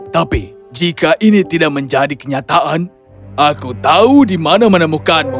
tapi jika ini tidak menjadi kenyataan aku tahu di mana menemukanmu